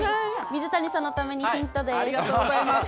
水谷さんのためにヒントです。